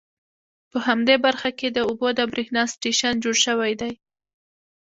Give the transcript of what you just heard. په همدې برخه کې د اوبو د بریښنا سټیشن جوړ شوي دي.